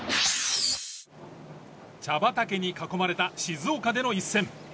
茶畑に囲まれた静岡での一戦。